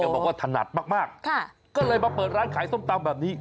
บอกว่าถนัดมากก็เลยมาเปิดร้านขายส้มตำแบบนี้